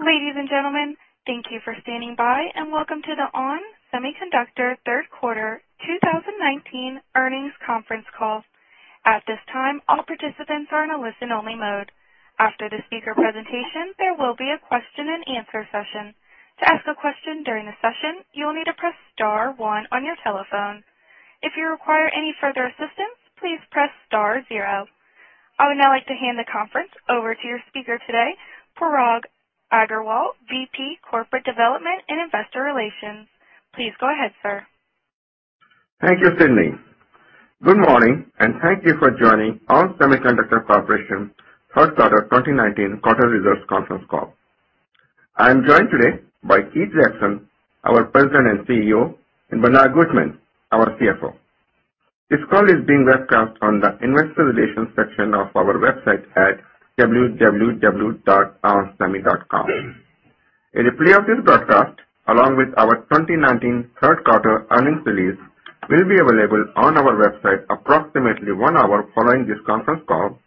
Ladies and gentlemen, thank you for standing by, and welcome to the ON Semiconductor third quarter 2019 earnings conference call. At this time, all participants are in a listen-only mode. After the speaker presentation, there will be a question and answer session. To ask a question during the session, you will need to press star one on your telephone. If you require any further assistance, please press star zero. I would now like to hand the conference over to your speaker today, Parag Agarwal, VP, Corporate Development and Investor Relations. Please go ahead, sir. Thank you, Sydney. Good morning, and thank you for joining ON Semiconductor Corporation third quarter 2019 quarter results conference call. I am joined today by Keith Jackson, our President and CEO, and Bernard Gutmann, our CFO. This call is being broadcast on the investor relations section of our website at www.onsemi.com. A replay of this broadcast, along with our 2019 third quarter earnings release, will be available on our website approximately one hour following this conference call,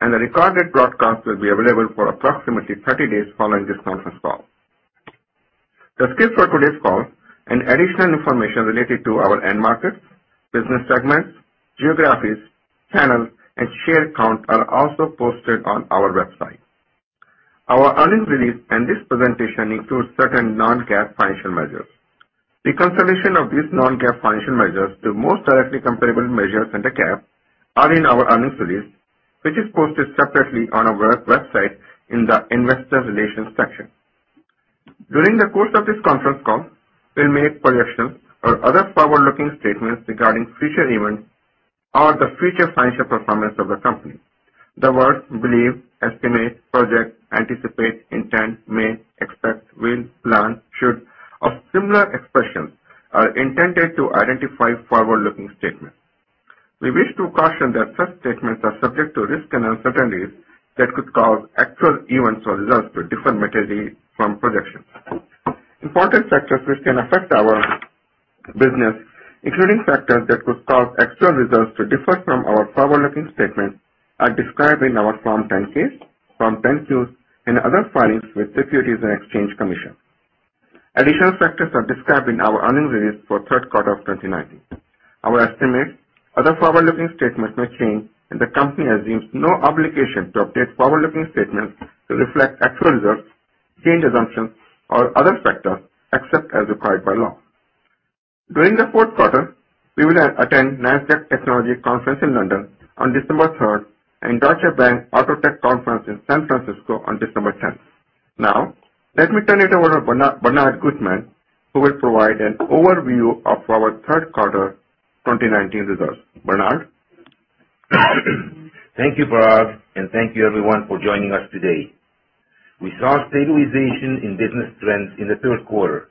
and the recorded broadcast will be available for approximately 30 days following this conference call. The script for today's call and additional information related to our end markets, business segments, geographies, channels, and share count are also posted on our website. Our earnings release and this presentation include certain non-GAAP financial measures. Reconciliation of these Non-GAAP financial measures to the most directly comparable measures under GAAP are in our earnings release, which is posted separately on our website in the investor relations section. During the course of this conference call, we'll make projections or other forward-looking statements regarding future events or the future financial performance of the company. The words believe, estimate, project, anticipate, intend, may, expect, will, plan, should, or similar expressions are intended to identify forward-looking statements. We wish to caution that such statements are subject to risks and uncertainties that could cause actual events or results to differ materially from projections. Important factors which can affect our business, including factors that could cause actual results to differ from our forward-looking statements, are described in our Form 10-K, Form 10-Q, and other filings with the Securities and Exchange Commission. Additional factors are described in our earnings release for third quarter of 2019. Our estimates, other forward-looking statements may change. The company assumes no obligation to update forward-looking statements to reflect actual results, changed assumptions, or other factors, except as required by law. During the fourth quarter, we will attend Nasdaq Technology Conference in London on December 3rd and Deutsche Bank AutoTech Conference in San Francisco on December 10th. Let me turn it over to Bernard Gutmann, who will provide an overview of our third quarter 2019 results. Bernard? Thank you, Parag, and thank you everyone for joining us today. We saw stabilization in business trends in the third quarter.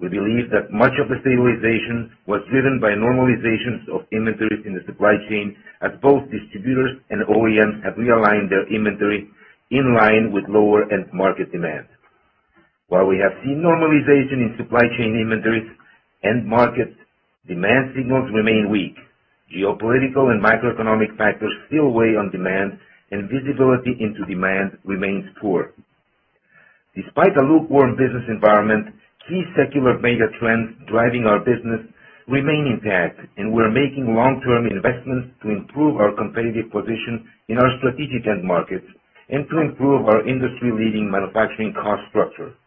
We believe that much of the stabilization was driven by normalizations of inventories in the supply chain as both distributors and OEMs have realigned their inventory in line with lower end market demand. While we have seen normalization in supply chain inventories, end market demand signals remain weak. Geopolitical and microeconomic factors still weigh on demand, and visibility into demand remains poor. Despite the lukewarm business environment, key secular mega trends driving our business remain intact, and we're making long-term investments to improve our competitive position in our strategic end markets and to improve our industry-leading manufacturing cost structure.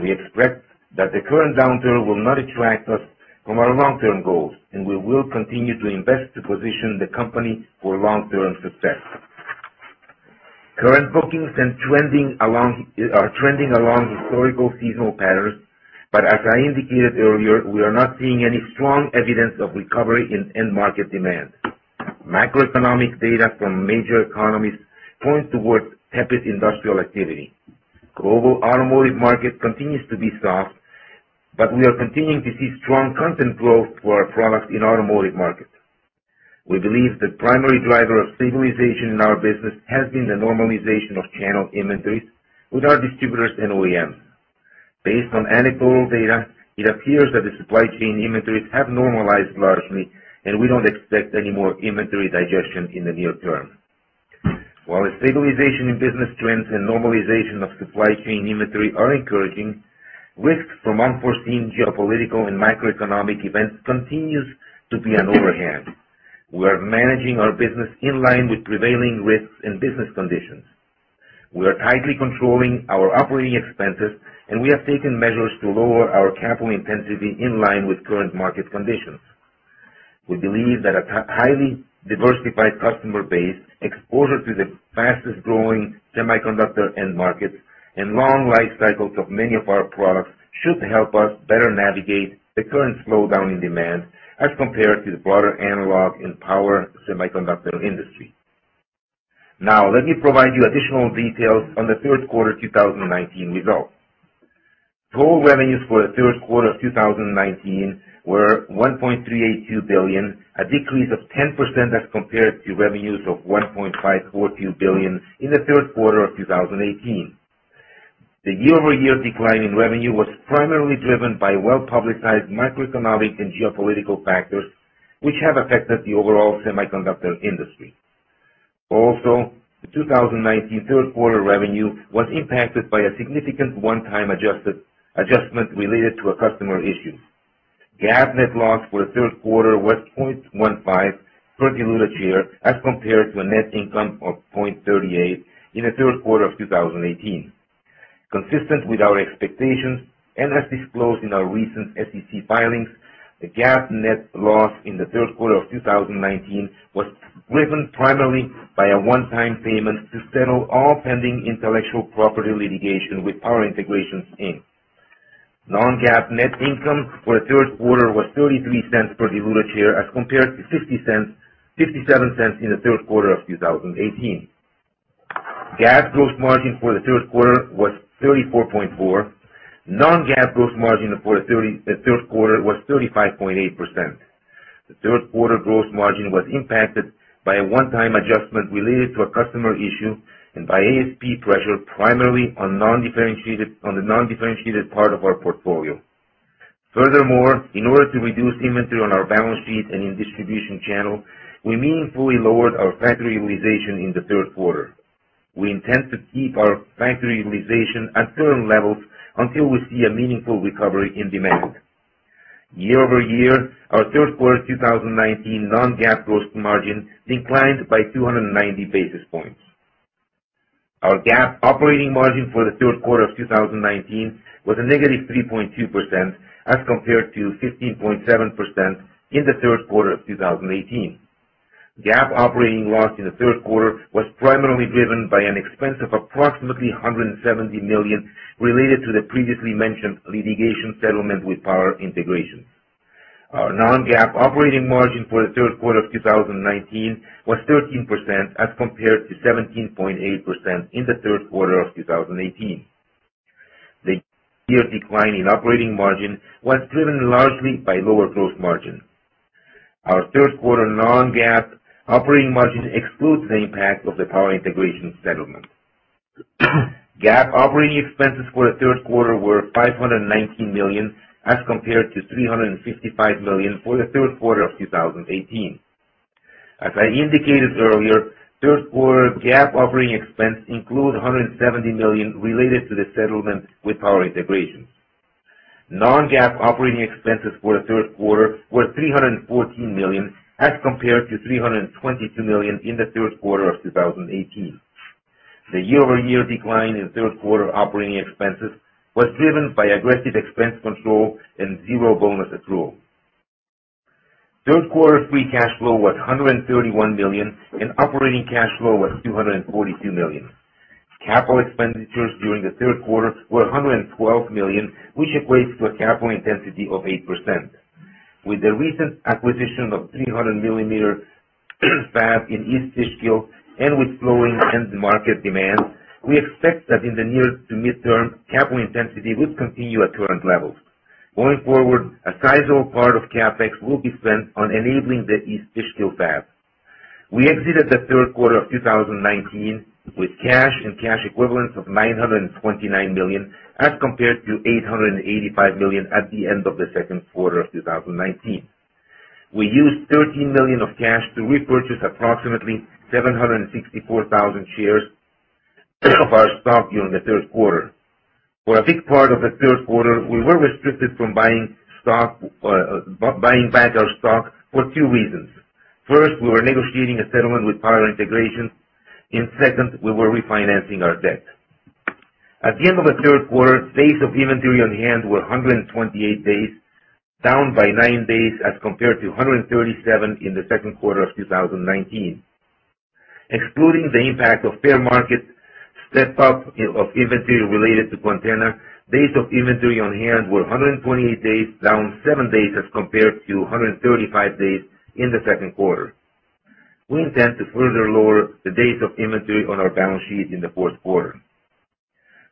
We expect that the current downturn will not detract us from our long-term goals, and we will continue to invest to position the company for long-term success. Current bookings are trending along historical seasonal patterns, but as I indicated earlier, we are not seeing any strong evidence of recovery in end market demand. Macroeconomic data from major economies points towards tepid industrial activity. Global automotive market continues to be soft, but we are continuing to see strong content growth for our products in automotive market. We believe the primary driver of stabilization in our business has been the normalization of channel inventories with our distributors and OEMs. Based on anecdotal data, it appears that the supply chain inventories have normalized largely, and we don't expect any more inventory digestion in the near term. While a stabilization in business trends and normalization of supply chain inventory are encouraging, risks from unforeseen geopolitical and microeconomic events continues to be an overhang. We are managing our business in line with prevailing risks and business conditions. We are tightly controlling our operating expenses. We have taken measures to lower our capital intensity in line with current market conditions. We believe that a highly diversified customer base, exposure to the fastest-growing semiconductor end markets, and long life cycles of many of our products should help us better navigate the current slowdown in demand as compared to the broader analog and power semiconductor industry. Let me provide you additional details on the third quarter 2019 results. Total revenues for the third quarter of 2019 were $1.382 billion, a decrease of 10% as compared to revenues of $1.542 billion in the third quarter of 2018. The year-over-year decline in revenue was primarily driven by well-publicized macroeconomic and geopolitical factors, which have affected the overall semiconductor industry. The 2019 third quarter revenue was impacted by a significant one-time adjustment related to a customer issue. GAAP net loss for the third quarter was $0.15 per diluted share as compared to a net income of $0.38 in the third quarter of 2018. Consistent with our expectations and as disclosed in our recent SEC filings, the GAAP net loss in the third quarter of 2019 was driven primarily by a one-time payment to settle all pending intellectual property litigation with Power Integrations, Inc. Non-GAAP net income for the third quarter was $0.33 per diluted share as compared to $0.57 in the third quarter of 2018. GAAP gross margin for the third quarter was 34.4%. Non-GAAP gross margin for the third quarter was 35.8%. The third quarter gross margin was impacted by a one-time adjustment related to a customer issue and by ASP pressure primarily on the non-differentiated part of our portfolio. In order to reduce inventory on our balance sheet and in distribution channel, we meaningfully lowered our factory utilization in the third quarter. We intend to keep our factory utilization at current levels until we see a meaningful recovery in demand. Year-over-year, our third quarter 2019 non-GAAP gross margin declined by 290 basis points. Our GAAP operating margin for the third quarter of 2019 was a negative 3.2% as compared to 15.7% in the third quarter of 2018. GAAP operating loss in the third quarter was primarily driven by an expense of approximately $170 million related to the previously mentioned litigation settlement with Power Integrations. Our non-GAAP operating margin for the third quarter of 2019 was 13% as compared to 17.8% in the third quarter of 2018. The year decline in operating margin was driven largely by lower gross margin. Our third quarter non-GAAP operating margin excludes the impact of the Power Integrations settlement. GAAP operating expenses for the third quarter were $519 million as compared to $355 million for the third quarter of 2018. As I indicated earlier, third quarter GAAP operating expense include $170 million related to the settlement with Power Integrations. Non-GAAP operating expenses for the third quarter were $314 million as compared to $322 million in the third quarter of 2018. The year-over-year decline in third quarter operating expenses was driven by aggressive expense control and zero bonus accrual. Third quarter free cash flow was $131 million, and operating cash flow was $242 million. Capital expenditures during the third quarter were $112 million, which equates to a capital intensity of 8%. With the recent acquisition of 300mm fab in East Fishkill and with slowing end market demand, we expect that in the near to midterm, capital intensity would continue at current levels. Going forward, a sizable part of CapEx will be spent on enabling the East Fishkill fab. We exited the third quarter of 2019 with cash and cash equivalents of $929 million, as compared to $885 million at the end of the second quarter of 2019. We used $13 million of cash to repurchase approximately 764,000 shares of our stock during the third quarter. For a big part of the third quarter, we were restricted from buying back our stock for two reasons. First, we were negotiating a settlement with Power Integrations. Second, we were refinancing our debt. At the end of the third quarter, days of inventory on hand were 128 days, down by nine days as compared to 137 in the second quarter of 2019. Excluding the impact of fair market step up of inventory related to Quantenna, days of inventory on hand were 128 days, down seven days as compared to 135 days in the second quarter. We intend to further lower the days of inventory on our balance sheet in the fourth quarter.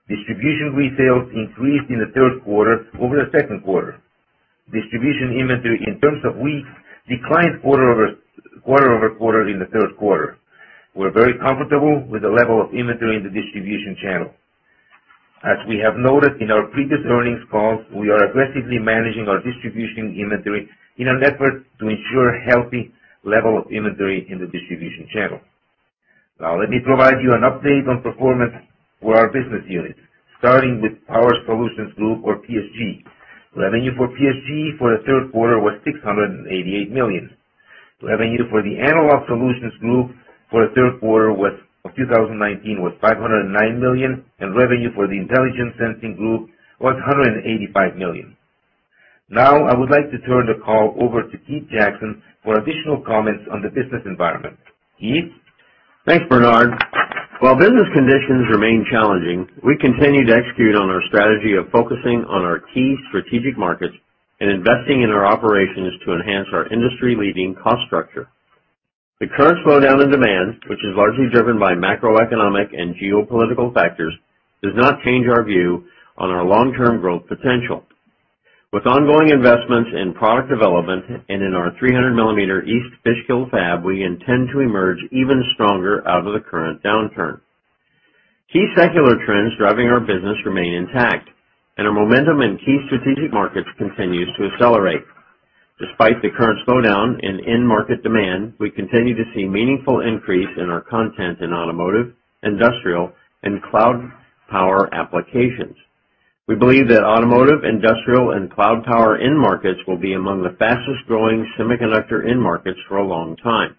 Distribution resales increased in the third quarter over the second quarter. Distribution inventory in terms of weeks declined quarter-over-quarter in the third quarter. We're very comfortable with the level of inventory in the distribution channel. As we have noted in our previous earnings calls, we are aggressively managing our distribution inventory in an effort to ensure healthy level of inventory in the distribution channel. Now, let me provide you an update on performance for our business units, starting with Power Solutions Group or PSG. Revenue for PSG for the third quarter was $688 million. Revenue for the Analog Solutions Group for the third quarter of 2019 was $509 million, and revenue for the Intelligent Sensing Group was $185 million. Now, I would like to turn the call over to Keith Jackson for additional comments on the business environment. Keith? Thanks, Bernard. While business conditions remain challenging, we continue to execute on our strategy of focusing on our key strategic markets and investing in our operations to enhance our industry-leading cost structure. The current slowdown in demand, which is largely driven by macroeconomic and geopolitical factors, does not change our view on our long-term growth potential. With ongoing investments in product development and in our 300 millimeter East Fishkill fab, we intend to emerge even stronger out of the current downturn. Key secular trends driving our business remain intact, and our momentum in key strategic markets continues to accelerate. Despite the current slowdown in end market demand, we continue to see meaningful increase in our content in automotive, industrial, and cloud power applications. We believe that automotive, industrial, and cloud power end markets will be among the fastest-growing semiconductor end markets for a long time.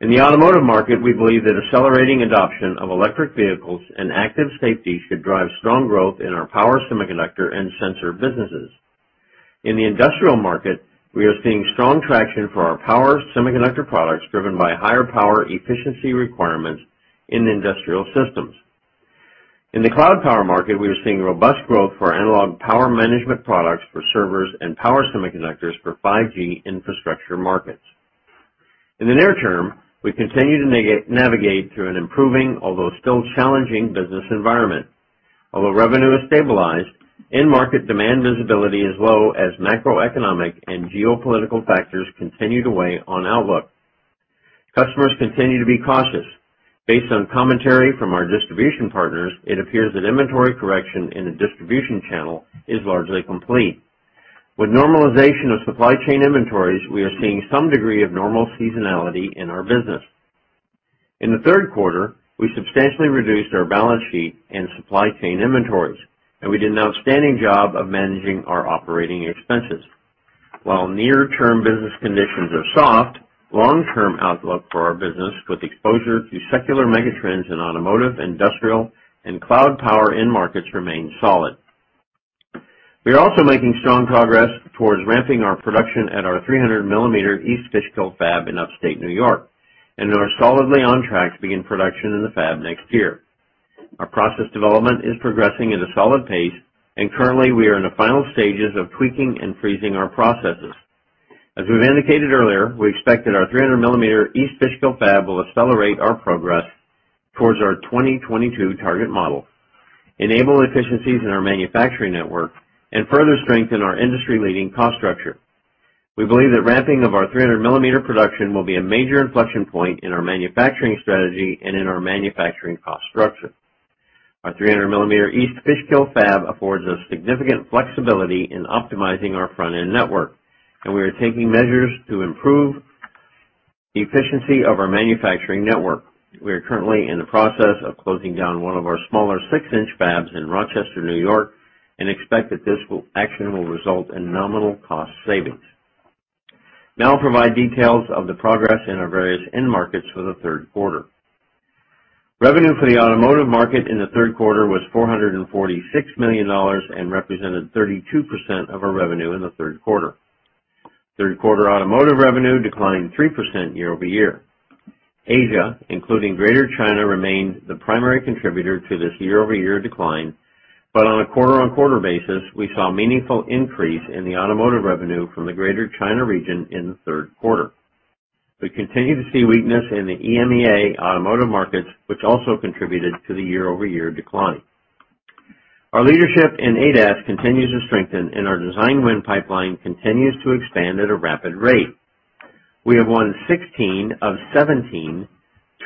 In the automotive market, we believe that accelerating adoption of electric vehicles and active safety should drive strong growth in our power semiconductor and sensor businesses. In the industrial market, we are seeing strong traction for our power semiconductor products driven by higher power efficiency requirements in industrial systems. In the cloud power market, we are seeing robust growth for analog power management products for servers and power semiconductors for 5G infrastructure markets. In the near term, we continue to navigate through an improving, although still challenging, business environment. Although revenue is stabilized, end market demand visibility is low as macroeconomic and geopolitical factors continue to weigh on outlook. Customers continue to be cautious. Based on commentary from our distribution partners, it appears that inventory correction in the distribution channel is largely complete. With normalization of supply chain inventories, we are seeing some degree of normal seasonality in our business. In the third quarter, we substantially reduced our balance sheet and supply chain inventories, and we did an outstanding job of managing our operating expenses. While near-term business conditions are soft, long-term outlook for our business with exposure to secular mega trends in automotive, industrial, and cloud power end markets remains solid. We are also making strong progress towards ramping our production at our 300 millimeter East Fishkill fab in upstate New York, and are solidly on track to begin production in the fab next year. Our process development is progressing at a solid pace, and currently we are in the final stages of tweaking and freezing our processes. As we've indicated earlier, we expect that our 300 millimeter East Fishkill fab will accelerate our progress towards our 2022 target model, enable efficiencies in our manufacturing network, and further strengthen our industry-leading cost structure. We believe that ramping of our 300 millimeter production will be a major inflection point in our manufacturing strategy and in our manufacturing cost structure. Our 300 millimeter East Fishkill fab affords us significant flexibility in optimizing our front-end network, and we are taking measures to improve the efficiency of our manufacturing network. We are currently in the process of closing down one of our smaller 6-inch fabs in Rochester, N.Y., and expect that this action will result in nominal cost savings. Now I'll provide details of the progress in our various end markets for the third quarter. Revenue for the automotive market in the third quarter was $446 million and represented 32% of our revenue in the third quarter. Third quarter automotive revenue declined 3% year-over-year. Asia, including Greater China, remained the primary contributor to this year-over-year decline, but on a quarter-on-quarter basis, we saw meaningful increase in the automotive revenue from the Greater China region in the third quarter. We continue to see weakness in the EMEA automotive markets, which also contributed to the year-over-year decline. Our leadership in ADAS continues to strengthen, and our design win pipeline continues to expand at a rapid rate. We have won 16 of 17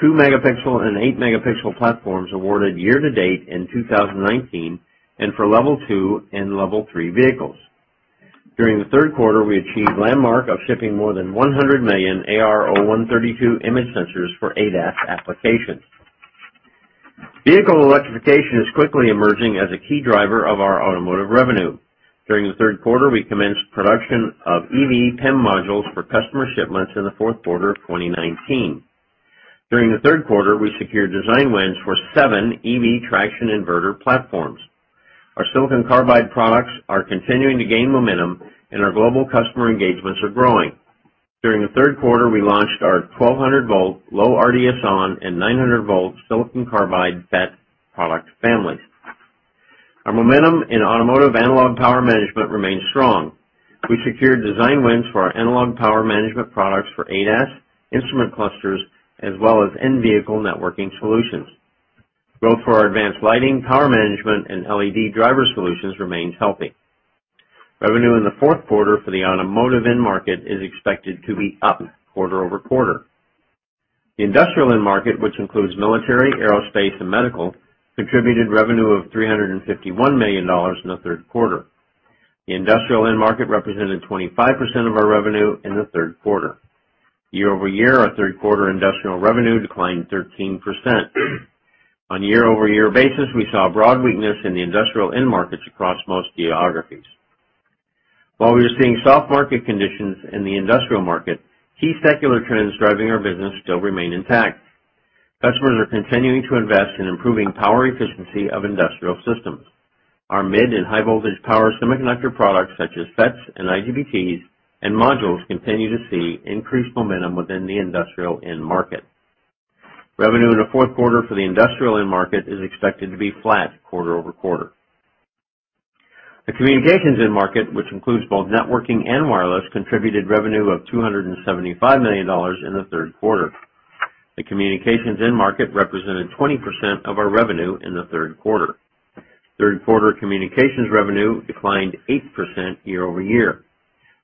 two-megapixel and eight-megapixel platforms awarded year-to-date in 2019 and for level 2 and level 3 vehicles. During the third quarter, we achieved landmark of shipping more than 100 million AR0132 image sensors for ADAS applications. Vehicle electrification is quickly emerging as a key driver of our automotive revenue. During the third quarter, we commenced production of EV power modules for customer shipments in the fourth quarter of 2019. During the third quarter, we secured design wins for seven EV traction inverter platforms. Our silicon carbide products are continuing to gain momentum, and our global customer engagements are growing. During the third quarter, we launched our 1,200 volt, low RDSON, and 900 volt silicon carbide FET product family. Our momentum in automotive analog power management remains strong. We secured design wins for our analog power management products for ADAS instrument clusters, as well as in-vehicle networking solutions. Growth for our advanced lighting, power management, and LED driver solutions remains healthy. Revenue in the fourth quarter for the automotive end market is expected to be up quarter-over-quarter. The industrial end market, which includes military, aerospace, and medical, contributed revenue of $351 million in the third quarter. The industrial end market represented 25% of our revenue in the third quarter. Year-over-year, our third quarter industrial revenue declined 13%. On a year-over-year basis, we saw broad weakness in the industrial end markets across most geographies. While we are seeing soft market conditions in the industrial market, key secular trends driving our business still remain intact. Customers are continuing to invest in improving power efficiency of industrial systems. Our mid and high voltage power semiconductor products, such as FETs and IGBTs and modules, continue to see increased momentum within the industrial end market. Revenue in the fourth quarter for the industrial end market is expected to be flat quarter-over-quarter. The communications end market, which includes both networking and wireless, contributed revenue of $275 million in the third quarter. The communications end market represented 20% of our revenue in the third quarter. Third quarter communications revenue declined 8% year-over-year.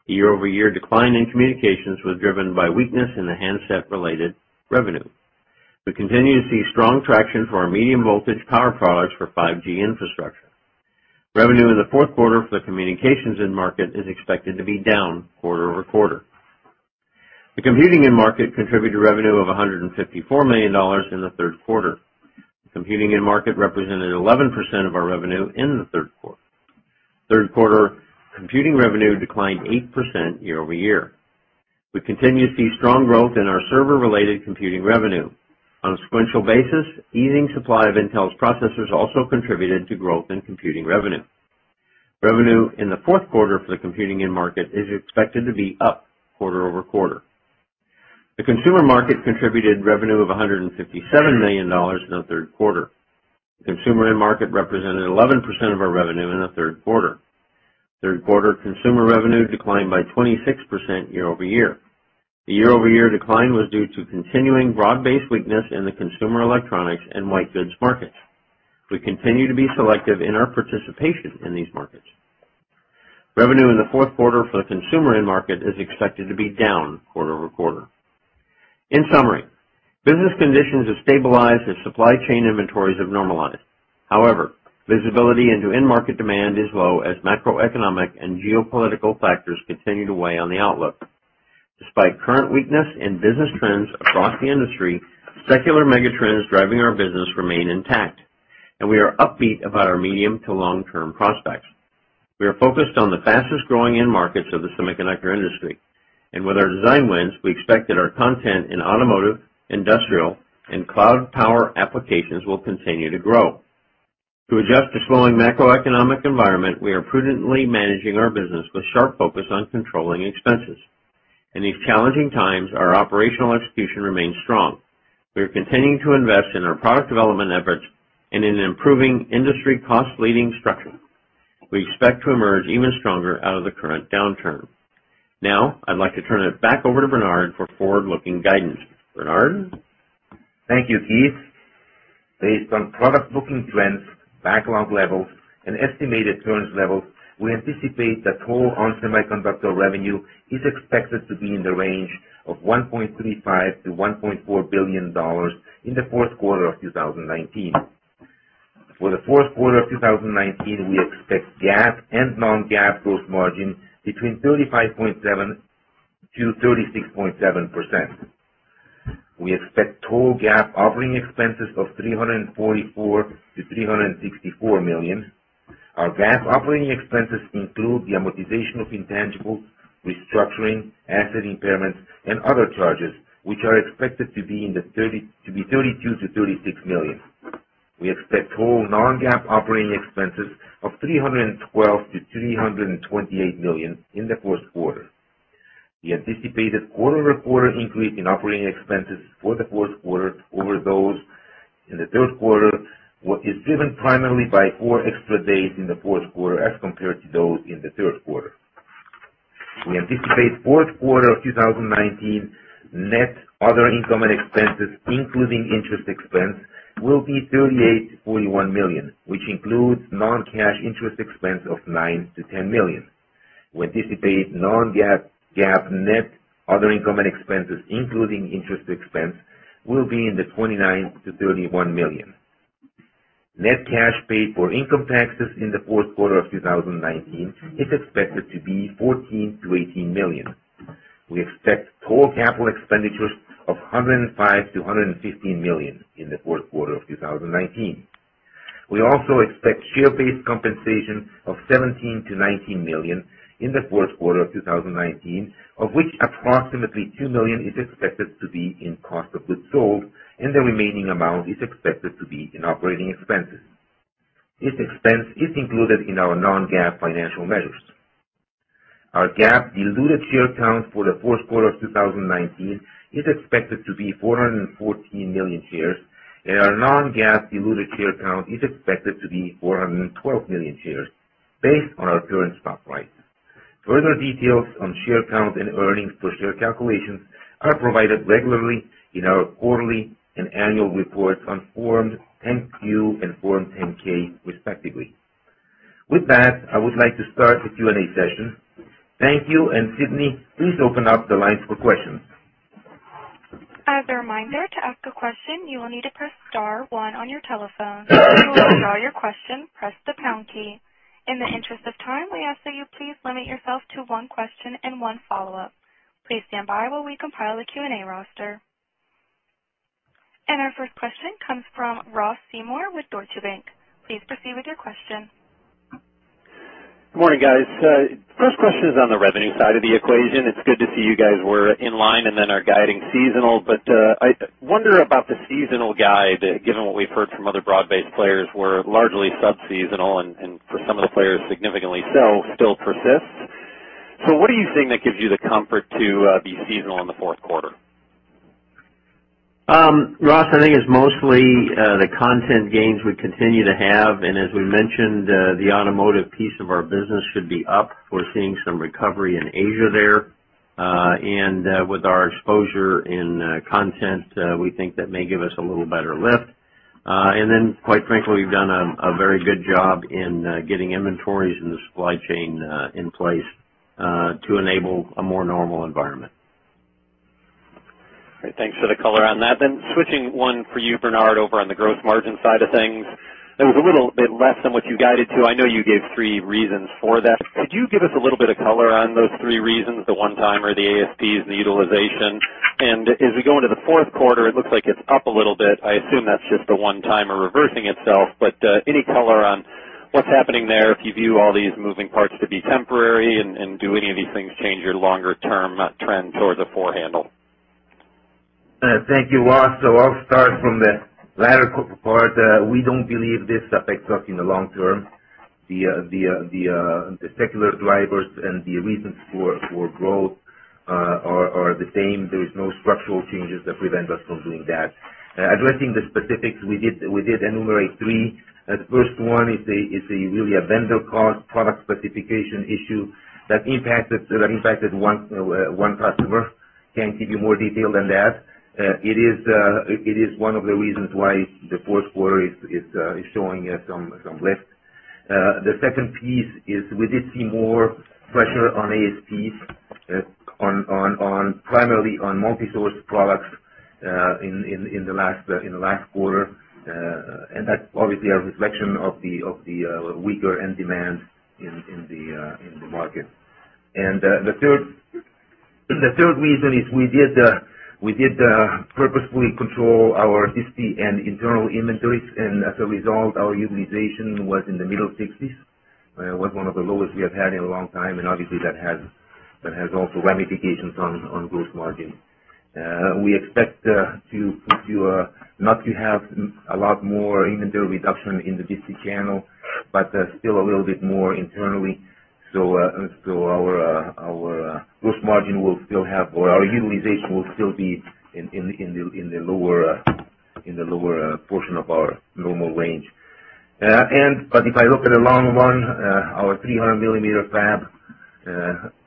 The year-over-year decline in communications was driven by weakness in the handset-related revenue. We continue to see strong traction for our medium-voltage power products for 5G infrastructure. Revenue in the fourth quarter for the communications end market is expected to be down quarter-over-quarter. The computing end market contributed revenue of $154 million in the third quarter. Computing end market represented 11% of our revenue in the third quarter. Third quarter computing revenue declined 8% year-over-year. We continue to see strong growth in our server-related computing revenue. On a sequential basis, easing supply of Intel's processors also contributed to growth in computing revenue. Revenue in the fourth quarter for the computing end market is expected to be up quarter-over-quarter. The consumer market contributed revenue of $157 million in the third quarter. Consumer end market represented 11% of our revenue in the third quarter. Third quarter consumer revenue declined by 26% year-over-year. The year-over-year decline was due to continuing broad-based weakness in the consumer electronics and white goods markets. We continue to be selective in our participation in these markets. Revenue in the fourth quarter for the consumer end market is expected to be down quarter-over-quarter. In summary, business conditions have stabilized as supply chain inventories have normalized. However, visibility into end market demand is low as macroeconomic and geopolitical factors continue to weigh on the outlook. Despite current weakness in business trends across the industry, secular megatrends driving our business remain intact, and we are upbeat about our medium to long-term prospects. We are focused on the fastest-growing end markets of the semiconductor industry, and with our design wins, we expect that our content in automotive, industrial, and cloud power applications will continue to grow. To adjust to slowing macroeconomic environment, we are prudently managing our business with sharp focus on controlling expenses. In these challenging times, our operational execution remains strong. We are continuing to invest in our product development efforts and in improving industry cost-leading structure. We expect to emerge even stronger out of the current downturn. Now, I'd like to turn it back over to Bernard for forward-looking guidance. Bernard? Thank you, Keith. Based on product booking trends, backlog levels, and estimated turns levels, we anticipate that total ON Semiconductor revenue is expected to be in the range of $1.35 billion-$1.4 billion in the fourth quarter of 2019. For the fourth quarter of 2019, we expect GAAP and non-GAAP gross margin between 35.7%-36.7%. We expect total GAAP operating expenses of $344 million-$364 million. Our GAAP operating expenses include the amortization of intangibles, restructuring, asset impairments, and other charges, which are expected to be $32 million-$36 million. We expect total non-GAAP operating expenses of $312 million-$328 million in the first quarter. The anticipated quarter-over-quarter increase in operating expenses for the fourth quarter over those in the third quarter is driven primarily by four extra days in the fourth quarter as compared to those in the third quarter. We anticipate fourth quarter of 2019 net other income and expenses, including interest expense, will be $38 million-$41 million, which includes non-cash interest expense of $9 million-$10 million. We anticipate non-GAAP net other income and expenses, including interest expense, will be in the $29 million-$31 million. Net cash paid for income taxes in the fourth quarter of 2019 is expected to be $14 million-$18 million. We expect total capital expenditures of $105 million-$115 million in the fourth quarter of 2019. We also expect share-based compensation of $17 million-$19 million in the fourth quarter of 2019, of which approximately $2 million is expected to be in cost of goods sold and the remaining amount is expected to be in operating expenses. This expense is included in our non-GAAP financial measures. Our GAAP diluted share count for the fourth quarter of 2019 is expected to be 414 million shares, and our non-GAAP diluted share count is expected to be 412 million shares based on our current stock price. Further details on share count and earnings per share calculations are provided regularly in our quarterly and annual reports on Form 10-Q and Form 10-K, respectively. With that, I would like to start the Q&A session. Thank you, and Sydney, please open up the lines for questions. As a reminder, to ask a question, you will need to press star one on your telephone. To withdraw your question, press the pound key. In the interest of time, we ask that you please limit yourself to one question and one follow-up. Please stand by while we compile a Q&A roster. Our first question comes from Ross Seymore with Deutsche Bank. Please proceed with your question. Good morning, guys. First question is on the revenue side of the equation. It's good to see you guys were in line and then are guiding seasonal. I wonder about the seasonal guide, given what we've heard from other broad-based players were largely sub-seasonal, and for some of the players, significantly so, still persists. What are you seeing that gives you the comfort to be seasonal in the fourth quarter? Ross, I think it's mostly the content gains we continue to have. As we mentioned, the automotive piece of our business should be up. We're seeing some recovery in Asia there. With our exposure in content, we think that may give us a little better lift. Quite frankly, we've done a very good job in getting inventories in the supply chain in place to enable a more normal environment. Great. Thanks for the color on that. Switching one for you, Bernard, over on the gross margin side of things, it was a little bit less than what you guided to. I know you gave three reasons for that. Could you give us a little bit of color on those three reasons, the one-timer, the ASPs, and the utilization? As we go into the fourth quarter, it looks like it's up a little bit. I assume that's just the one-timer reversing itself. Any color on what's happening there, if you view all these moving parts to be temporary, and do any of these things change your longer-term trend towards a four handle? Thank you, Ross. I'll start from the latter part. We don't believe this affects us in the long term. The secular drivers and the reasons for growth are the same. There is no structural changes that prevent us from doing that. Addressing the specifics, we did enumerate three. The first one is really a vendor cause product specification issue that impacted one customer. Can't give you more detail than that. It is one of the reasons why the fourth quarter is showing some lift. The second piece is we did see more pressure on ASPs, primarily on multi-sourced products, in the last quarter. That's obviously a reflection of the weaker end demand in the market. The third reason is we did purposefully control our disti and internal inventories, and as a result, our utilization was in the middle sixties. It was one of the lowest we have had in a long time, and obviously that has also ramifications on gross margin. We expect not to have a lot more inventory reduction in the disti channel, but still a little bit more internally. Our utilization will still be in the lower portion of our normal range. If I look at the long run, our 300-millimeter fab,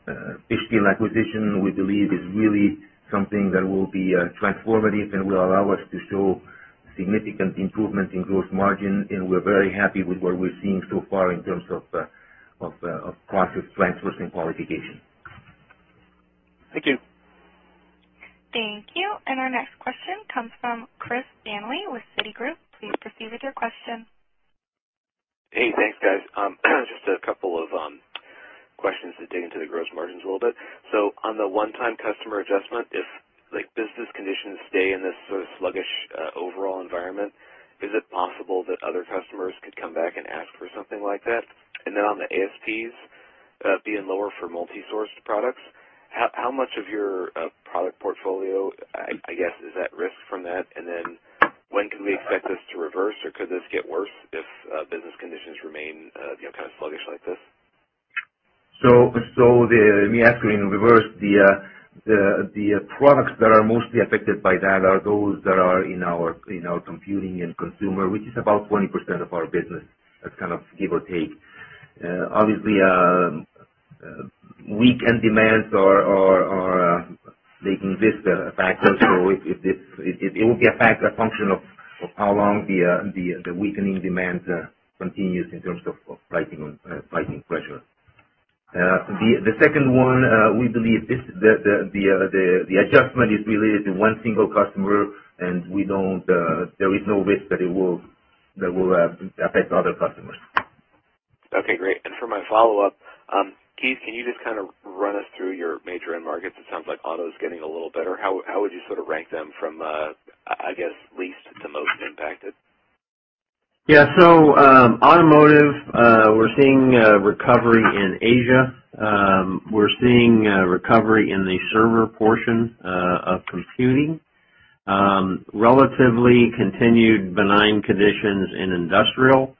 East Fishkill acquisition, we believe is really something that will be transformative and will allow us to show significant improvement in gross margin. We're very happy with what we're seeing so far in terms of process transfers and qualification. Thank you. Thank you. Our next question comes from Chris Danely with Citigroup. Please proceed with your question. Hey, thanks, guys. Just a couple of questions to dig into the gross margins a little bit. On the one-time customer adjustment, if business conditions stay in this sort of sluggish overall environment, is it possible that other customers could come back and ask for something like that? On the ASPs being lower for multi-sourced products, how much of your product portfolio, I guess, is at risk from that? When can we expect this to reverse, or could this get worse if business conditions remain kind of sluggish like this? Let me answer in reverse. The products that are mostly affected by that are those that are in our computing and consumer, which is about 20% of our business, that's kind of give or take. Obviously, weak end demands are making this a factor. It will be a factor, a function of how long the weakening demand continues in terms of pricing pressure. The second one, we believe the adjustment is related to one single customer, and there is no risk that it will affect other customers. Okay, great. For my follow-up, Keith, can you just kind of run us through your major end markets? It sounds like auto's getting a little better. How would you sort of rank them from, I guess, least to most impacted? Yeah. Automotive, we're seeing recovery in Asia. We're seeing recovery in the server portion of computing. Relatively continued benign conditions in industrial.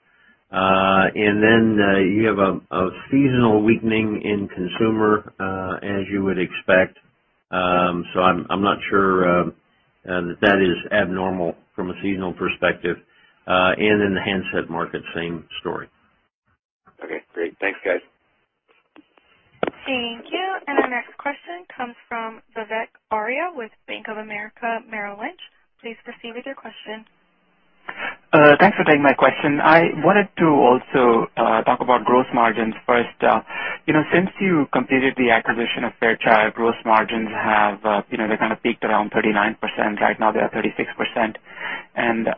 You have a seasonal weakening in consumer, as you would expect. I'm not sure that is abnormal from a seasonal perspective. In the handset market, same story. Okay, great. Thanks, guys. Thank you. Our next question comes from Vivek Arya with Bank of America Merrill Lynch. Please proceed with your question. Thanks for taking my question. I wanted to also talk about gross margins first. Since you completed the acquisition of Fairchild, gross margins have kind of peaked around 39%. Right now, they're at 36%.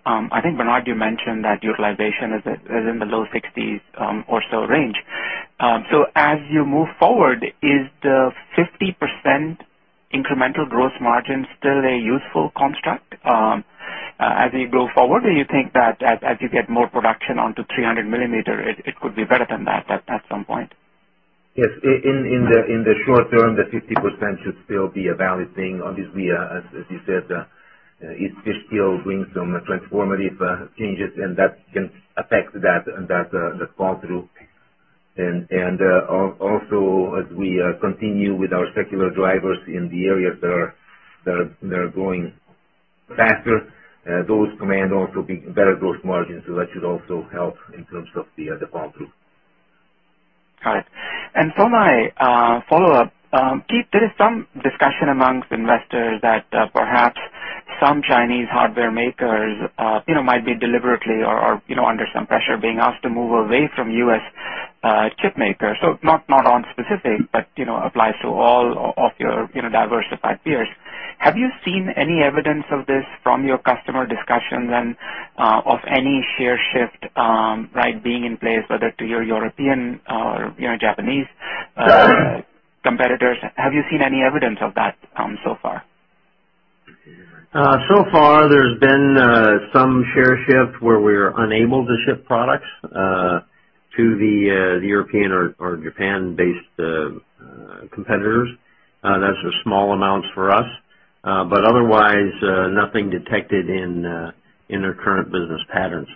I think, Bernard, you mentioned that utilization is in the low sixties or so range. As you move forward, is the 50% incremental gross margin still a useful construct as you go forward? You think that as you get more production onto 300 millimeter, it could be better than that at some point? Yes. In the short term, the 50% should still be a valid thing. Obviously, as you said, it still brings some transformative changes, and that can affect that fall through. Also, as we continue with our secular drivers in the areas that are going faster, those command also be better growth margins. That should also help in terms of the fall through. All right. For my follow-up, Keith, there is some discussion amongst investors that perhaps some Chinese hardware makers might be deliberately or under some pressure being asked to move away from U.S. chip makers. Not ON specific, but applies to all of your diversified peers. Have you seen any evidence of this from your customer discussions and of any share shift being in place, whether to your European or Japanese competitors? Have you seen any evidence of that so far? Far, there's been some share shift where we're unable to ship products to the European or Japan-based competitors. That's small amounts for us. Otherwise, nothing detected in their current business patterns.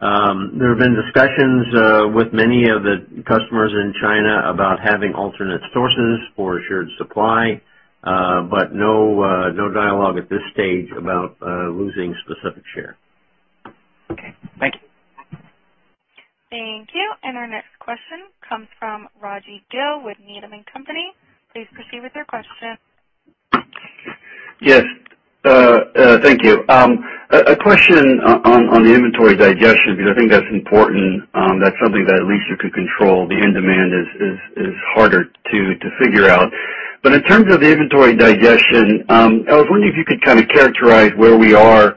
There have been discussions with many of the customers in China about having alternate sources for assured supply, but no dialogue at this stage about losing specific share. Okay. Thank you. Thank you. Our next question comes from Rajvindra Gill with Needham & Company. Please proceed with your question. Yes. Thank you. A question on the inventory digestion, because I think that's important. That's something that at least you could control. The end demand is harder to figure out. In terms of the inventory digestion, I was wondering if you could kind of characterize where we are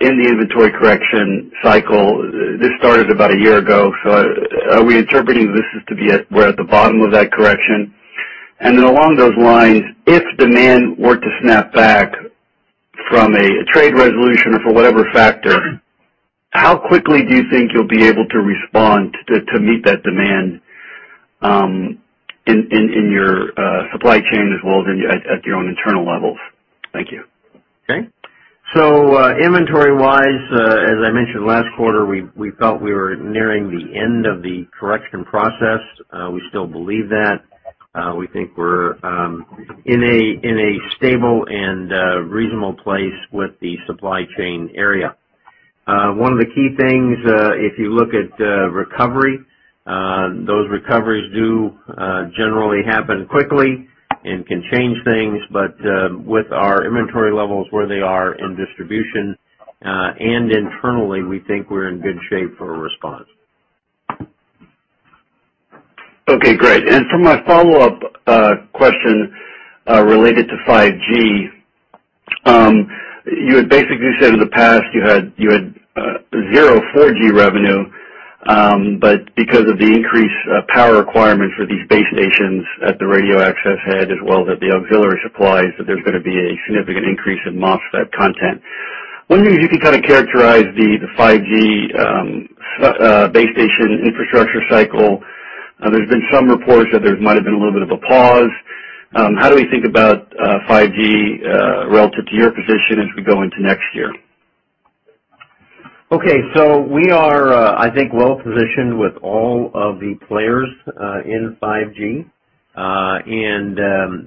in the inventory correction cycle. This started about a year ago. Are we interpreting this as to be we're at the bottom of that correction? Then along those lines, if demand were to snap back from a trade resolution or for whatever factor, how quickly do you think you'll be able to respond to meet that demand in your supply chain as well as at your own internal levels? Thank you. Okay. Inventory-wise, as I mentioned last quarter, we felt we were nearing the end of the correction process. We still believe that. We think we're in a stable and reasonable place with the supply chain area. One of the key things, if you look at recovery, those recoveries do generally happen quickly and can change things. With our inventory levels where they are in distribution, and internally, we think we're in good shape for a response. Okay, great. For my follow-up question related to 5G, you had basically said in the past you had zero 4G revenue, but because of the increased power requirements for these base stations at the radio access head, as well as at the auxiliary supplies, that there's going to be a significant increase in MOSFET content. Wondering if you could kind of characterize the 5G base station infrastructure cycle? There's been some reports that there might've been a little bit of a pause. How do we think about 5G relative to your position as we go into next year? Okay. We are, I think, well-positioned with all of the players in 5G, and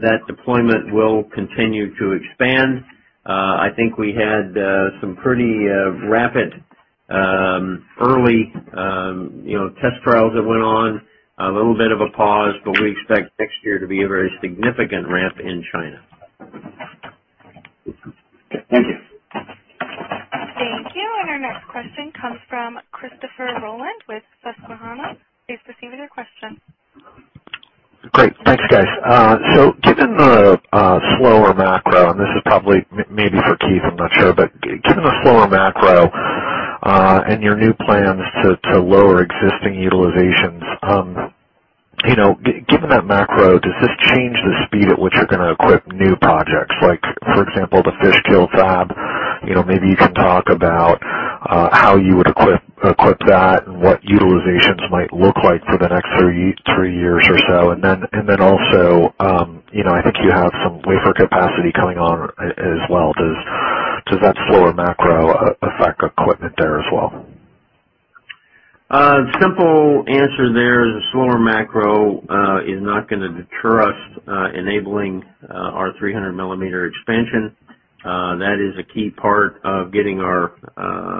that deployment will continue to expand. I think we had some pretty rapid early test trials that went on, a little bit of a pause, but we expect next year to be a very significant ramp in China. Okay. Thank you. Thank you. Our next question comes from Christopher Rolland with Susquehanna. Please proceed with your question. Great. Thanks, guys. Given the slower macro, and this is probably maybe for Keith, I'm not sure, but given the slower macro, and your new plans to lower existing utilizations, given that macro, does this change the speed at which you're going to equip new projects? For example, the Fishkill fab, maybe you can talk about how you would equip that and what utilizations might look like for the next three years or so. Also, I think you have some wafer capacity coming on as well. Does that slower macro affect equipment there as well? Simple answer there is a slower macro is not going to deter us enabling our 300-millimeter expansion. That is a key part of getting our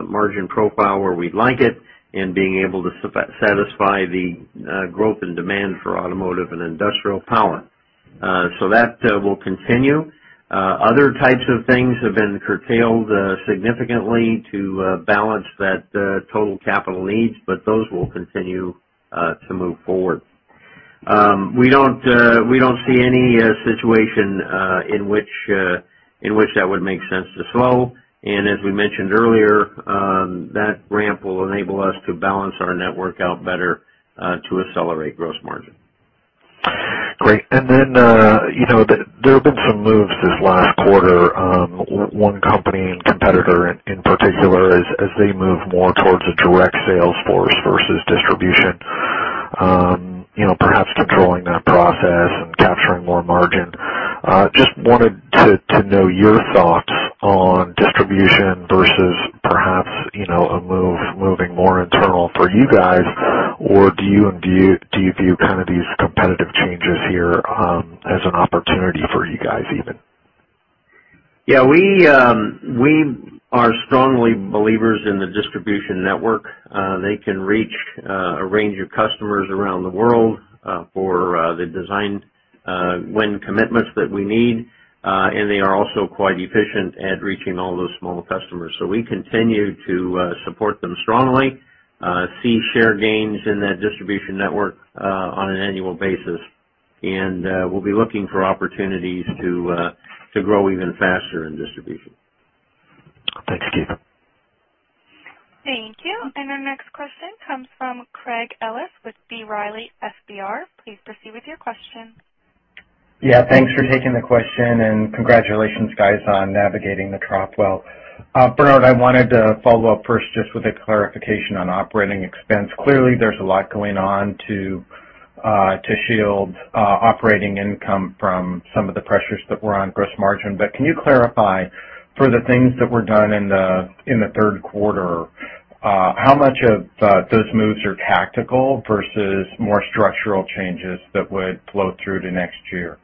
margin profile where we'd like it and being able to satisfy the growth and demand for automotive and industrial power. That will continue. Other types of things have been curtailed significantly to balance that total capital needs, but those will continue to move forward. We don't see any situation in which that would make sense to slow, and as we mentioned earlier, that ramp will enable us to balance our network out better to accelerate gross margin. Great. There have been some moves this last quarter. One company and competitor in particular, as they move more towards a direct sales force versus distribution, perhaps controlling that process and capturing more margin. Just wanted to know your thoughts on distribution versus perhaps, a move moving more internal for you guys, or do you view these competitive changes here as an opportunity for you guys even? Yeah, we are strongly believers in the distribution network. They can reach a range of customers around the world for the design win commitments that we need. They are also quite efficient at reaching all those small customers. We continue to support them strongly, see share gains in that distribution network on an annual basis, and we'll be looking for opportunities to grow even faster in distribution. Thanks, Keith. Thank you. Our next question comes from Craig Ellis with B. Riley FBR. Please proceed with your question. Yeah, thanks for taking the question. Congratulations, guys, on navigating the trough well. Bernard, I wanted to follow up first just with a clarification on operating expense. Clearly, there's a lot going on to shield operating income from some of the pressures that were on gross margin. Can you clarify for the things that were done in the third quarter, how much of those moves are tactical versus more structural changes that would flow through to next year?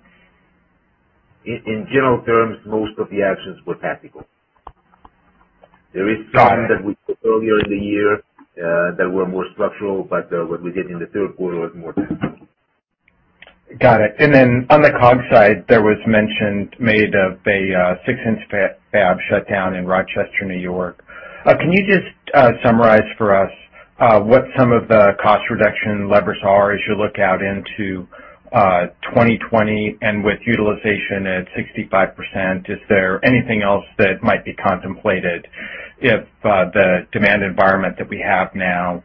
In general terms, most of the actions were tactical. Got it. There is some that we took earlier in the year that were more structural, but what we did in the third quarter was more tactical. Got it. On the COGS side, there was mention made of a 6-inch fab shutdown in Rochester, N.Y. Can you just summarize for us what some of the cost reduction levers are as you look out into 2020, and with utilization at 65%, is there anything else that might be contemplated if the demand environment that we have now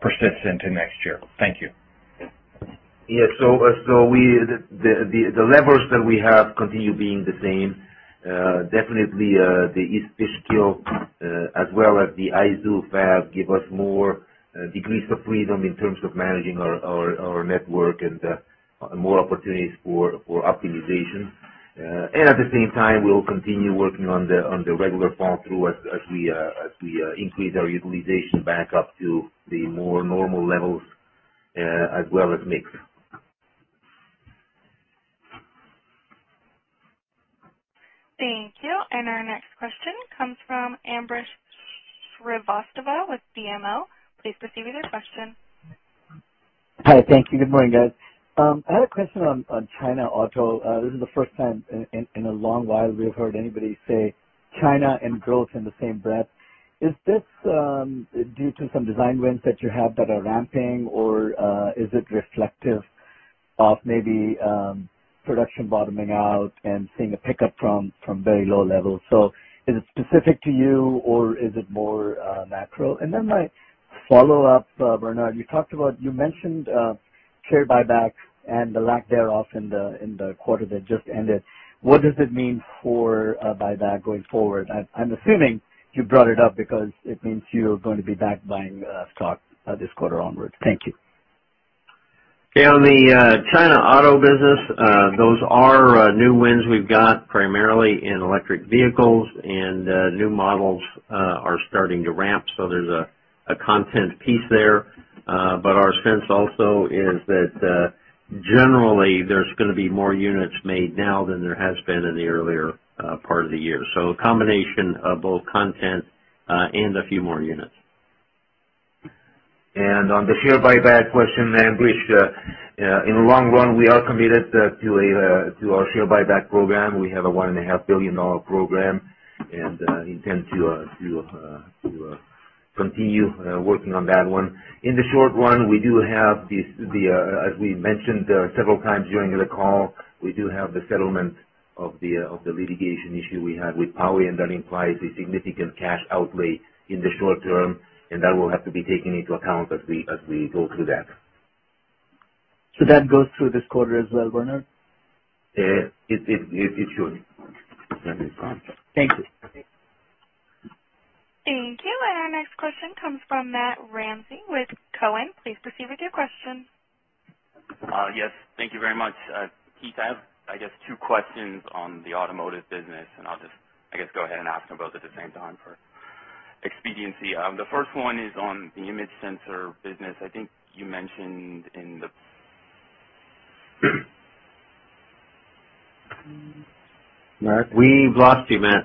persists into next year? Thank you. Yeah. The levers that we have continue being the same. Definitely, the East Fishkill as well as the ISU fab give us more degrees of freedom in terms of managing our network and more opportunities for optimization. At the same time, we'll continue working on the regular fall through as we increase our utilization back up to the more normal levels as well as mix. Thank you. Our next question comes from Ambrish Srivastava with BMO. Please proceed with your question. Hi. Thank you. Good morning, guys. I had a question on China auto. This is the first time in a long while we have heard anybody say China and growth in the same breath. Is this due to some design wins that you have that are ramping, or is it reflective of maybe production bottoming out and seeing a pickup from very low levels? Is it specific to you or is it more macro? My follow-up, Bernard, you mentioned share buybacks and the lack thereof in the quarter that just ended. What does it mean for buyback going forward? I'm assuming you brought it up because it means you're going to be back buying stock this quarter onwards. Thank you. Yeah. On the China auto business, those are new wins we've got primarily in electric vehicles and new models are starting to ramp. There's a content piece there. Our sense also is that generally, there's going to be more units made now than there has been in the earlier part of the year. A combination of both content and a few more units. On the share buyback question, Ambrish, in the long run, we are committed to our share buyback program. We have a $1.5 billion program and intend to continue working on that one. In the short run, as we mentioned several times during the call, we do have the settlement of the litigation issue we had with Power Integrations, that implies a significant cash outlay in the short term, that will have to be taken into account as we go through that. That goes through this quarter as well, Bernard? Yes, it should. That is correct. Thank you. Thank you. Our next question comes from Matt Ramsay with Cowen. Please proceed with your question. Yes. Thank you very much. Keith, I have, I guess, two questions on the automotive business. I'll just, I guess, go ahead and ask them both at the same time for expediency. The first one is on the image sensor business. I think you mentioned in the Matt? We've lost you, Matt.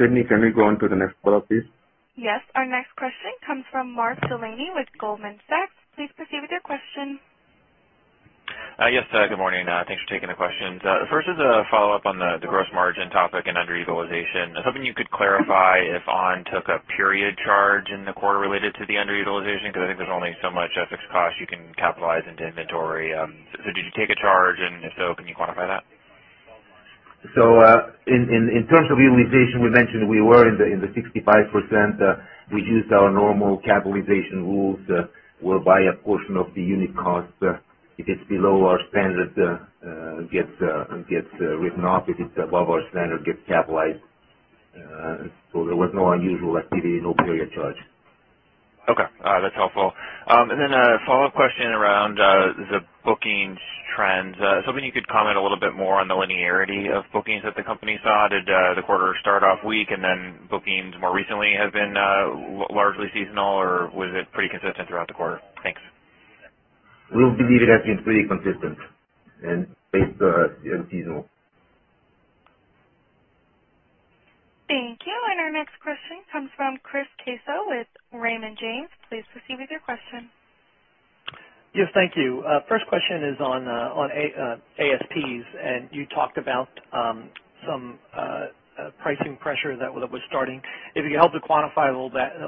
Sydney, can we go on to the next caller, please? Yes. Our next question comes from Mark Delaney with Goldman Sachs. Please proceed with your question. Yes, good morning. Thanks for taking the questions. First is a follow-up on the gross margin topic and underutilization. I was hoping you could clarify if ON took a period charge in the quarter related to the underutilization, because I think there's only so much FX cost you can capitalize into inventory. Did you take a charge, and if so, can you quantify that? In terms of utilization, we mentioned we were in the 65%. We used our normal capitalization rules, whereby a portion of the unit cost, if it's below our standard, gets written off. If it's above our standard, gets capitalized. There was no unusual activity, no period charge. Okay. That's helpful. A follow-up question around the bookings trends. I was hoping you could comment a little bit more on the linearity of bookings that the company saw. Did the quarter start off weak and then bookings more recently have been largely seasonal, or was it pretty consistent throughout the quarter? Thanks. We believe it has been pretty consistent and based on seasonal. Thank you. Our next question comes from Chris Caso with Raymond James. Please proceed with your question. Yes, thank you. First question is on ASPs, and you talked about some pricing pressure that was starting. If you could help to quantify a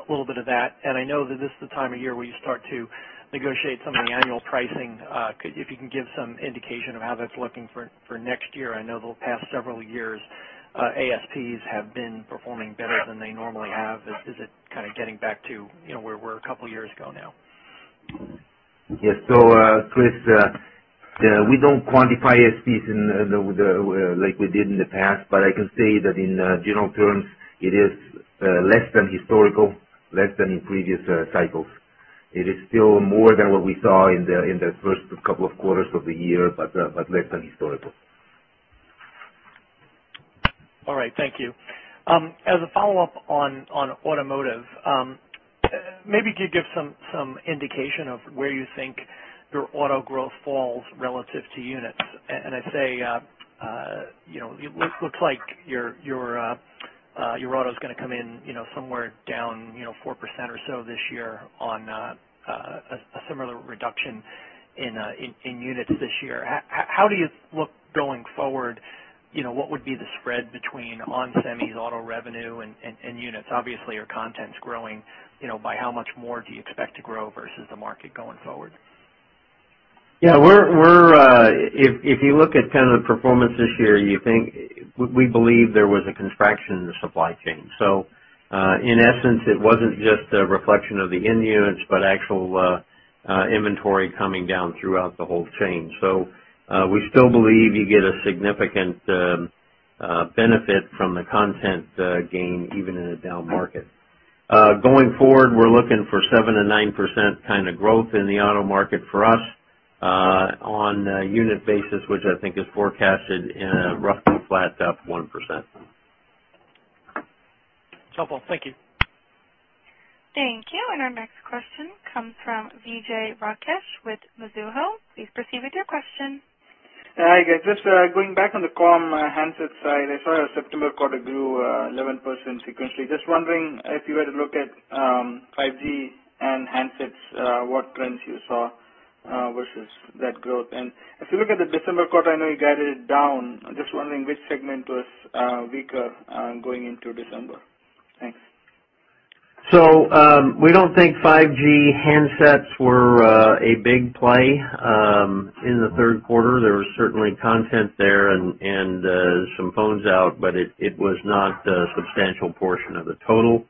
little bit of that, and I know that this is the time of year where you start to negotiate some of the annual pricing. If you can give some indication of how that's looking for next year. I know the past several years, ASPs have been performing better than they normally have. Is it kind of getting back to where we were a couple of years ago now? Yes, Chris, we don't quantify ASPs like we did in the past, but I can say that in general terms, it is less than historical, less than in previous cycles. It is still more than what we saw in the first couple of quarters of the year, but less than historical. All right. Thank you. As a follow-up on automotive, maybe could you give some indication of where you think your auto growth falls relative to units? I'd say, it looks like your auto is going to come in somewhere down 4% or so this year on a similar reduction in units this year. How do you look going forward, what would be the spread between ON Semi's auto revenue and units? Obviously, your content's growing. By how much more do you expect to grow versus the market going forward? If you look at kind of the performance this year, we believe there was a contraction in the supply chain. In essence, it wasn't just a reflection of the end units, but actual inventory coming down throughout the whole chain. We still believe you get a significant benefit from the content gain, even in a down market. Going forward, we're looking for 7%-9% kind of growth in the auto market for us, on a unit basis, which I think is forecasted in a roughly flat to up 1%. Helpful. Thank you. Thank you. Our next question comes from Vijay Rakesh with Mizuho. Please proceed with your question. Hi, guys. Just going back on the comm handset side, I saw your September quarter grew 11% sequentially. Just wondering if you had a look at 5G and handsets, what trends you saw versus that growth. If you look at the December quarter, I know you guided it down. I'm just wondering which segment was weaker going into December. Thanks. We don't think 5G handsets were a big play in the third quarter. There was certainly content there and some phones out, but it was not a substantial portion of the total.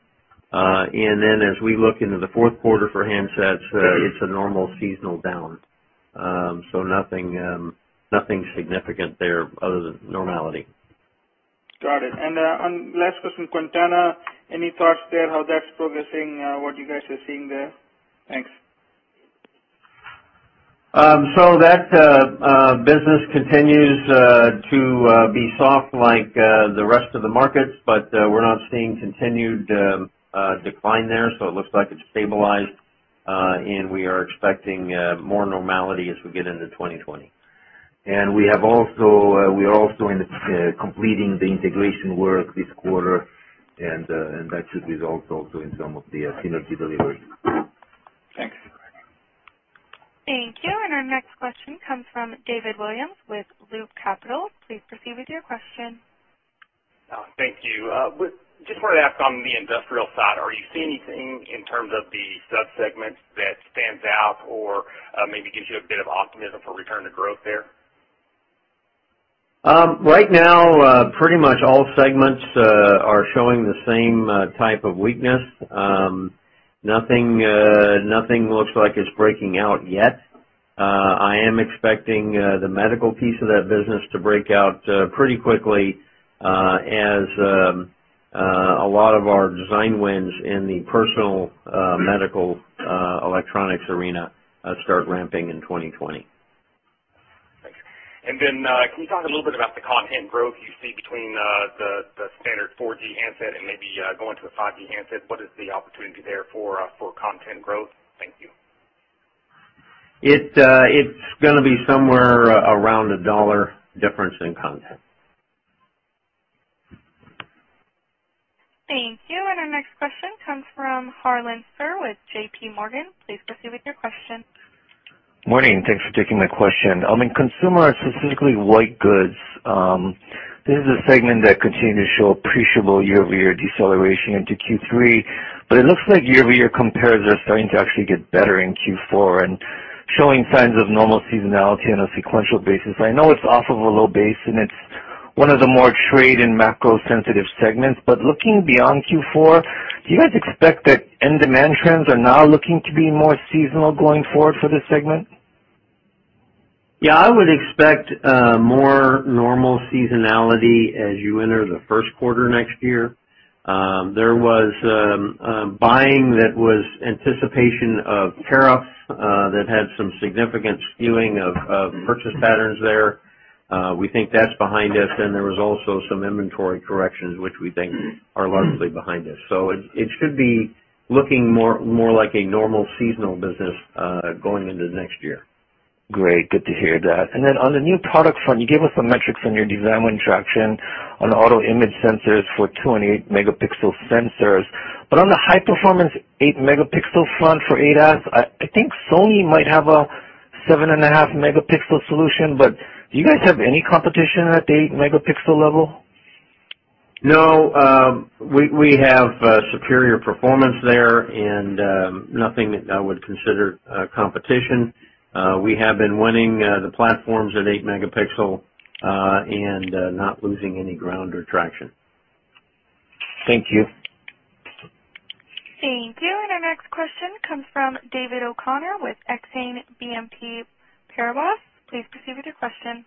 As we look into the fourth quarter for handsets, it's a normal seasonal down. Nothing significant there other than normality. Got it. Last question, Quantenna. Any thoughts there, how that's progressing, what you guys are seeing there? Thanks. That business continues to be soft like the rest of the market, but we're not seeing continued decline there, so it looks like it's stabilized. We are expecting more normality as we get into 2020. We are also completing the integration work this quarter, and that should result also in some of the synergy delivery. Thanks. Thank you. Our next question comes from David Williams with Loop Capital. Please proceed with your question. Thank you. Just wanted to ask on the industrial side, are you seeing anything in terms of the sub-segments that stands out or maybe gives you a bit of optimism for return to growth there? Right now, pretty much all segments are showing the same type of weakness. Nothing looks like it is breaking out yet. I am expecting the medical piece of that business to break out pretty quickly as a lot of our design wins in the personal medical electronics arena start ramping in 2020. Thanks. Can you talk a little bit about the content growth you see between the standard 4G handset and maybe going to a 5G handset? What is the opportunity there for content growth? Thank you. It's going to be somewhere around $1 difference in content. Thank you. Our next question comes from Harlan Sur with JPMorgan. Please proceed with your question. Morning. Thanks for taking my question. On the consumer, specifically white goods, this is a segment that continued to show appreciable year-over-year deceleration into Q3, but it looks like year-over-year compares are starting to actually get better in Q4 and showing signs of normal seasonality on a sequential basis. I know it's off of a low base, and it's one of the more trade and macro-sensitive segments, but looking beyond Q4, do you guys expect that end demand trends are now looking to be more seasonal going forward for this segment? Yeah, I would expect more normal seasonality as you enter the first quarter next year. There was buying that was anticipation of tariff that had some significant skewing of purchase patterns there. We think that's behind us, and there was also some inventory corrections, which we think are largely behind us. It should be looking more like a normal seasonal business going into next year. Great. Good to hear that. On the new product front, you gave us some metrics on your design win traction on auto image sensors for 28 megapixel sensors. On the high performance eight megapixel front for ADAS, I think Sony might have a seven and a half megapixel solution, but do you guys have any competition at the 8 megapixel level? No, we have superior performance there and nothing that I would consider competition. We have been winning the platforms at eight megapixel, and not losing any ground or traction. Thank you. Thank you. Our next question comes from David O'Connor with Exane BNP Paribas. Please proceed with your question.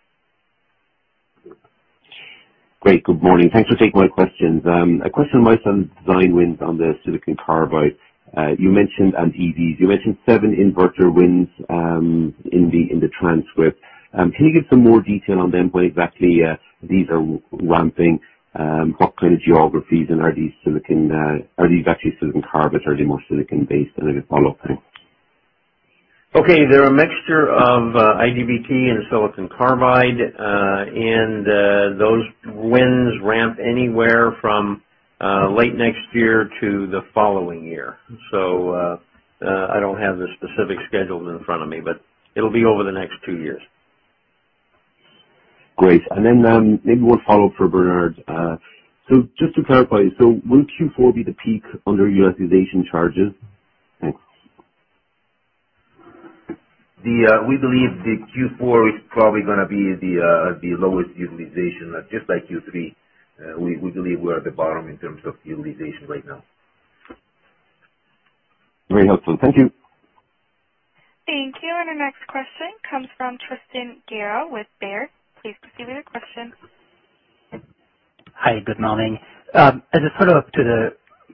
Great. Good morning. Thanks for taking my questions. A question of mine is on design wins on the silicon carbide. You mentioned on EVs, you mentioned seven inverter wins in the transcript. Can you give some more detail on them, where exactly these are ramping, what kind of geographies, and are these actually silicon carbide or are they more silicon-based? A follow up. Thanks. Okay. They're a mixture of IGBT and silicon carbide, and those wins ramp anywhere from late next year to the following year. I don't have the specific schedules in front of me, but it'll be over the next two years. Great. Maybe one follow-up for Bernard. Just to clarify, will Q4 be the peak underutilization charges? Thanks. We believe the Q4 is probably going to be the lowest utilization, just like Q3. We believe we're at the bottom in terms of utilization right now. Very helpful. Thank you. Thank you. Our next question comes from Tristan Gerra with Baird. Please proceed with your question. Hi. Good morning. As a follow-up to the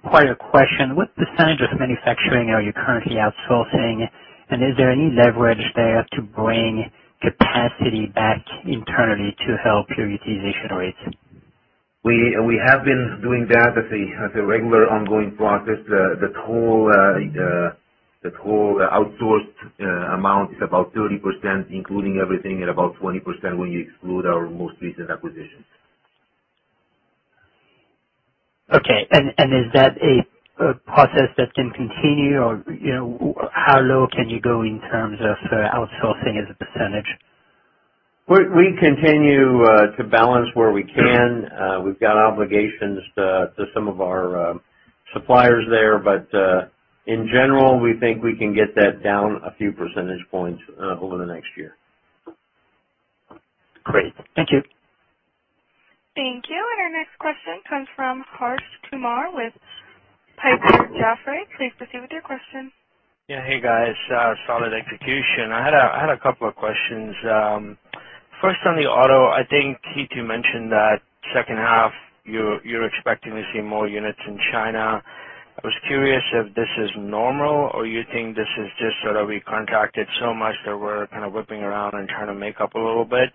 prior question, what percentage of manufacturing are you currently outsourcing? Is there any leverage there to bring capacity back internally to help your utilization rates? We have been doing that as a regular ongoing process. The total outsourced amount is about 30%, including everything, and about 20% when you exclude our most recent acquisitions. Okay. Is that a process that can continue, or how low can you go in terms of outsourcing as a percentage? We continue to balance where we can. We've got obligations to some of our suppliers there. In general, we think we can get that down a few percentage points over the next year. Great. Thank you. Thank you. Our next question comes from Harsh Kumar with Piper Jaffray. Please proceed with your question. Yeah. Hey, guys. Solid execution. I had a couple of questions. First on the auto, I think Keth mentioned that second half, you're expecting to see more units in China. I was curious if this is normal, or you think this is just sort of we contracted so much that we're kind of whipping around and trying to make up a little bit.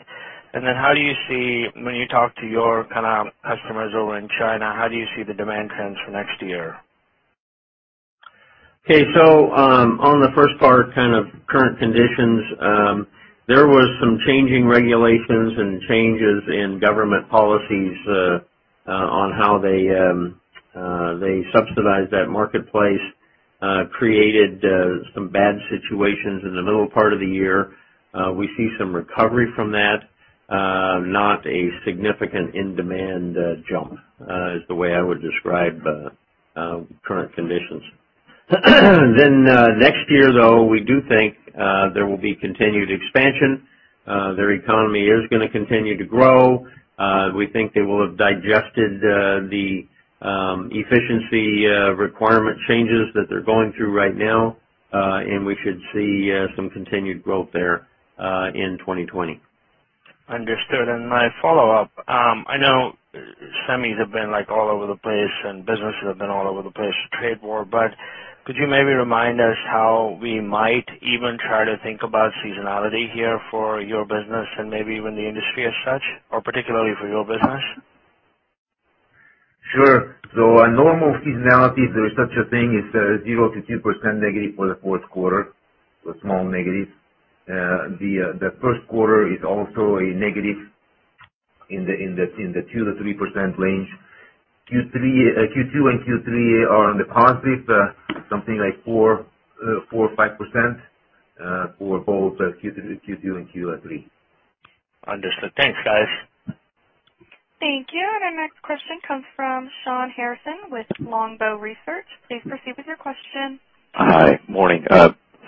How do you see, when you talk to your kind of customers over in China, how do you see the demand trends for next year? Okay. On the first part, kind of current conditions, there was some changing regulations and changes in government policies, on how they subsidize that marketplace, created some bad situations in the middle part of the year. We see some recovery from that, not a significant in-demand jump, is the way I would describe current conditions. Next year, though, we do think there will be continued expansion. Their economy is going to continue to grow. We think they will have digested the efficiency requirement changes that they're going through right now, and we should see some continued growth there in 2020. Understood. My follow-up, I know semis have been all over the place, and businesses have been all over the place with trade war, but could you maybe remind us how we might even try to think about seasonality here for your business and maybe even the industry as such, or particularly for your business? Sure. A normal seasonality, if there is such a thing, is 0 to 2% negative for the fourth quarter. A small negative. The first quarter is also a negative in the 2 to 3% range. Q2 and Q3 are in the positive, something like 4 or 5% for both Q2 and Q3. Understood. Thanks, guys. Thank you. Our next question comes from Shawn Harrison with Longbow Research. Please proceed with your question. Hi. Morning.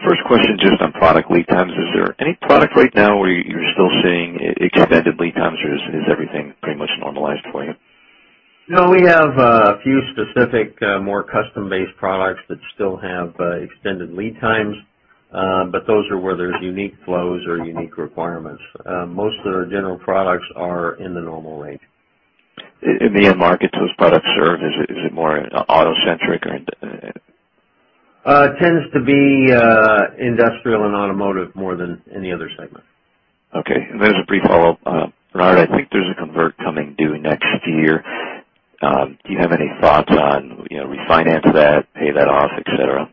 First question, just on product lead times, is there any product right now where you're still seeing extended lead times, or is everything pretty much normalized for you? No, we have a few specific, more custom-based products that still have extended lead times. Those are where there's unique flows or unique requirements. Most of our general products are in the normal range. In the end markets those products serve, is it more auto-centric? Tends to be industrial and automotive more than any other segment. Okay. There's a brief follow-up. Bernard, I think there's a convert coming due next year. Do you have any thoughts on refinance that, pay that off, et cetera?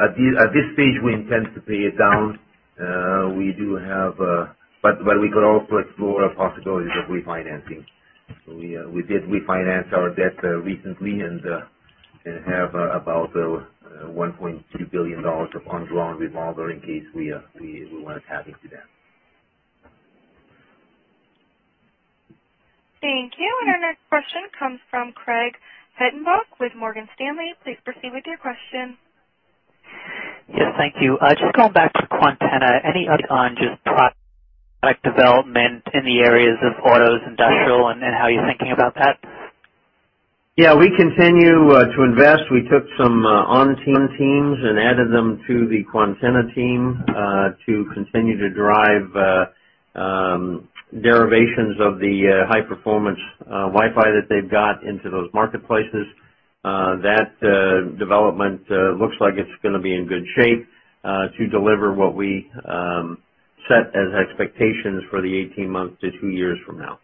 At this stage, we intend to pay it down. We could also explore possibilities of refinancing. We did refinance our debt recently, and have about $1.2 billion of undrawn revolver in case we want to tap into that. Thank you. Our next question comes from Craig Hettenbach with Morgan Stanley. Please proceed with your question. Yes, thank you. Just going back to Quantenna, any update on just product development in the areas of autos, industrial, and how you're thinking about that? Yeah, we continue to invest. We took some ON Semi teams and added them to the Quantenna team to continue to drive derivations of the high-performance Wi-Fi that they've got into those marketplaces. That development looks like it's going to be in good shape to deliver what we set as expectations for the 18 months to two years from now.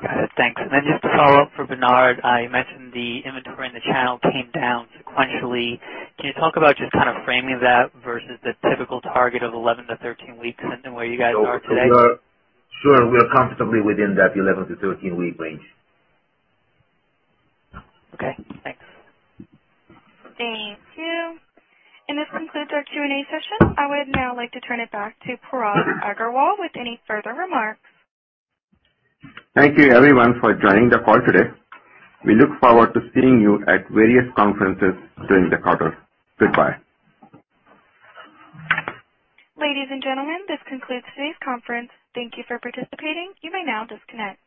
Got it. Thanks. Just a follow-up for Bernard. I imagine the inventory in the channel came down sequentially. Can you talk about just kind of framing that versus the typical target of 11-13 weeks and then where you guys are today? Sure. We are comfortably within that 11-13 week range. Okay, thanks. Thank you. This concludes our Q&A session. I would now like to turn it back to Parag Agarwal with any further remarks. Thank you everyone for joining the call today. We look forward to seeing you at various conferences during the quarter. Goodbye. Ladies and gentlemen, this concludes today's conference. Thank you for participating. You may now disconnect.